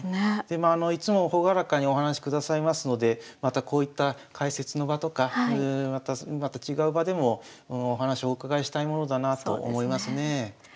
いつも朗らかにお話しくださいますのでまたこういった解説の場とかまた違う場でもお話をお伺いしたいものだなと思いますね。